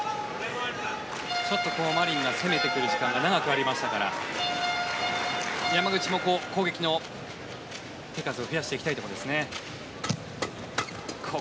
ちょっとマリンが攻めてくる時間が長くありましたから山口も攻撃の手数を増やしていきたいところですね。